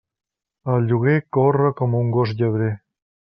El lloguer corre com un gos llebrer.